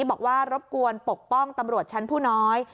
บอกว่ารบกวนปกป้องตำรวจชั้นผู้น้อย